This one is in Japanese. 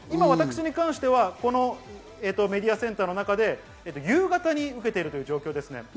私に関してはメディアセンターの中で夕方に受けているという状況です。